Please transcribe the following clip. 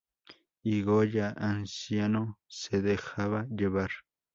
Y Goya, anciano, se dejaba llevar.